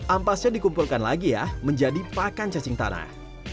ampasnya dikumpulkan lagi ya menjadi pakan cacing tanah